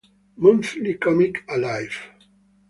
Monthly Comic Alive